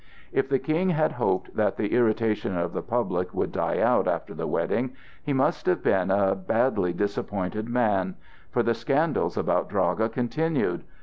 If the King had hoped that the irritation of the public would die out after the wedding, he must have been a badly disappointed man; for the scandals about Draga continued.